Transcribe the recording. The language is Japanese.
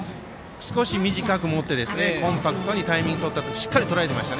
少し短く持ってコンパクトにタイミングよくしっかりとらえました。